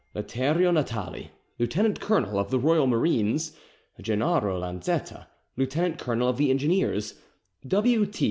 Latereo Natali, lieutenant colonel of the Royal Marines. Gennaro Lanzetta, lieutenant colonel of the Engineers. W. T.